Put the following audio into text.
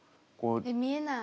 見えない！